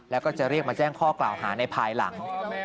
แล้วก็จะเรียกมาแจ้งข้อกล่าวหาในภายหลัง